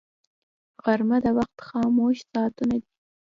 غرمه د وخت خاموش ساعتونه دي